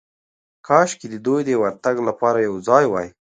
کاشکې د دوی د ورتګ لپاره یو ځای وای.